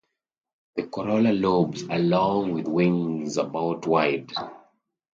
The corolla lobes are long with wings about wide.